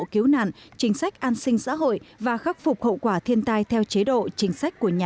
cứu nạn chính sách an sinh xã hội và khắc phục hậu quả thiên tai theo chế độ chính sách của nhà